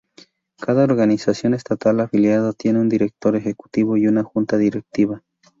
Cada organización estatal afiliada tiene un director ejecutivo y una junta directiva.